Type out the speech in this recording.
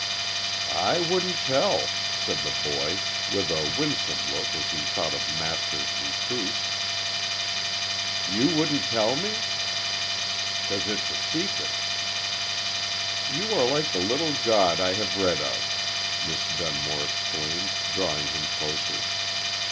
"I wouldn't tell," said the boy, with a winsome look as he thought of Master's reproof. "You wouldn't tell me?" "'Cause it's a secret." "You are like the little god I have read of!" Miss Dunmore exclaimed, drawing him closer.